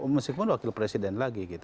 meskipun wakil presiden lagi